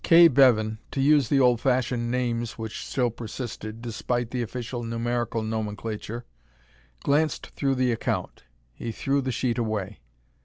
Kay Bevan to use the old fashioned names which still persisted, despite the official numerical nomenclature glanced through the account. He threw the sheet away.